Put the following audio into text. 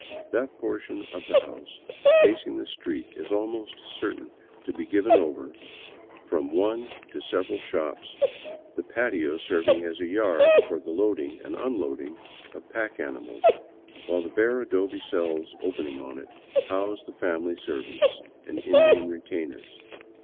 That portion of the house facing the street is almost certain to be given over to from one to several shops, the patio serving as a yard for the loading and unloading of pack animals, while the bare adobe cells opening on it house the family servants and Indian retainers.